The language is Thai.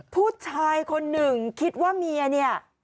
ผู้ชายคนหนึ่งคิดว่าเมียเนี่ย